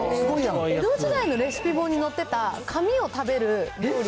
江戸時代のレシピ本に載ってた紙を食べる料理。